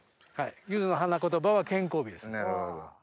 ゆずの花言葉は健康美です。